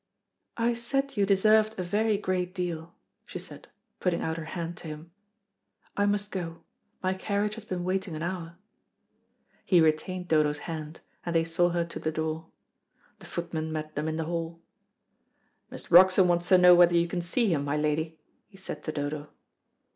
"I said you deserved a very great deal," she said, putting out her hand to him. "I must go, my carriage has been waiting an hour." He retained Dodo's hand, and they saw her to the door. The footman met them in the hall. "Mr. Broxton wants to know whether you can see him, my lady," he said to Dodo.